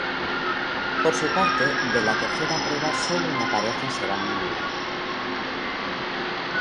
Por su parte, de la tercera prueba solo una pareja será nominada.